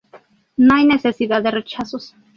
No hay necesidad de rechazos.